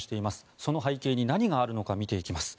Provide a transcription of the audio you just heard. その背景に何があるのか見ていきます。